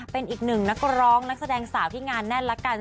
เป็นอีกหนึ่งนักร้องนักแสดงสาวที่งานแน่นละกัน